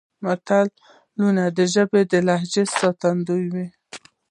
متلونه د ژبې د لهجو ساتندوی دي